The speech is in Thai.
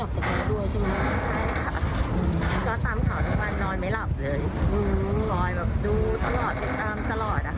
ก็สงสัยมาก